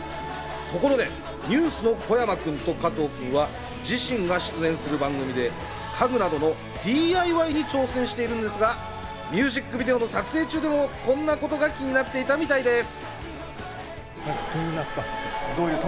ところでＮＥＷＳの小山くんと加藤くんは自身が出演する番組で家具などのＤＩＹに挑戦しているんですが、ミュージックビデオの撮影中でも、こんなことが気になっていたみたいです。